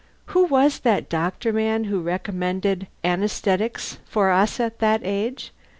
Who was that doctor man who recommended anaesthetics for us at that age?